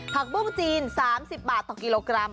ผักบุ้งจีน๓๐บาทต่อกิโลกรัม